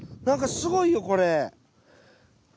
なんかすごいよこれ。